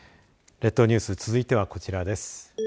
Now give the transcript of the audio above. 列島ニュース続いてはこちらです。